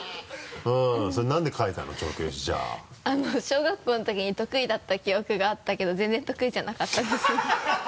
小学校の時に得意だった記憶があったけど全然得意じゃなかったです